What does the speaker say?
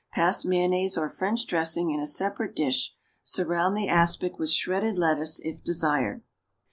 Pass mayonnaise or French dressing in a separate dish. Surround the aspic with shredded lettuce if desired.